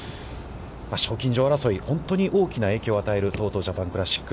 賞金女王争い、本当に大きな影響を与えるＴＯＴＯジャパンクラシック。